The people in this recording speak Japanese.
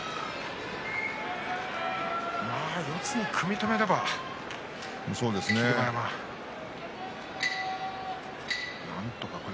四つに組み止めれば霧馬山ですね。